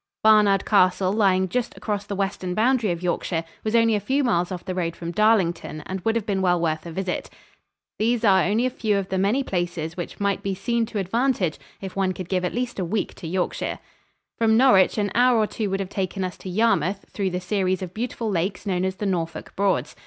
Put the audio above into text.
Barnard Castle, lying just across the western boundary of Yorkshire, was only a few miles off the road from Darlington, and would have been well worth a visit. These are only a few of the many places which might be seen to advantage if one could give at least a week to Yorkshire. From Norwich an hour or two would have taken us to Yarmouth through the series of beautiful lakes known as the Norfolk Broads.